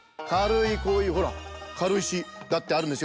こういうほらかるいしだってあるんですよ。